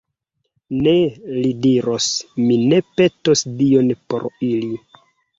Ne, li diros, mi ne petos Dion por ili!